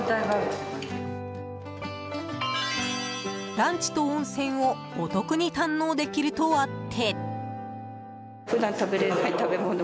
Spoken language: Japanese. ランチと温泉をお得に堪能できるとあって。